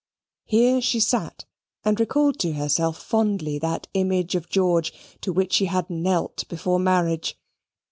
Here she sate, and recalled to herself fondly that image of George to which she had knelt before marriage.